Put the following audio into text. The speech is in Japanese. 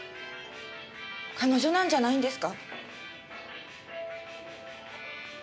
彼女なんじゃないんですか？